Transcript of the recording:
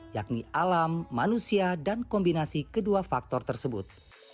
yakni alam manusia dan kombinasi kedua faktor tersebut